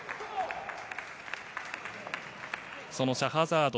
このシャハザード。